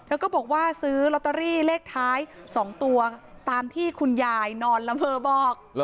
แล้วก็บอกว่าซื้อลอตเตอรี่เลขท้าย๒ตัวตามที่คุณยายนอนลำเภอบอก